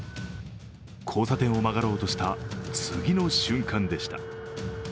交差点を曲がろうとした次の瞬間でした。